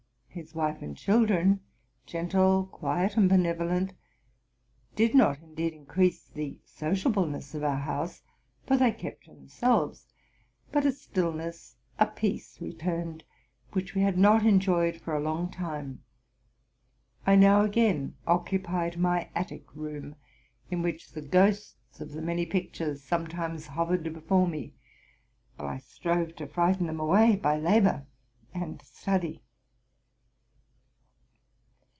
His wife and children, gentle, quiet, and benevolent, did not indeed in crease the sociableness of our house; for they kept to them selves: but a stillness, a peace, returned, which we had not enjoyed fora long time. I now again occupied my attic room, in which the ghosts of the many pictures sometimes hovered before me; while I strove to frighten them away by labor and study.